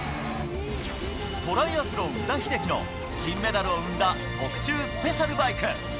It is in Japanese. トライアスロン宇田秀生の銀メダルを生んだ特注スペシャルバイク。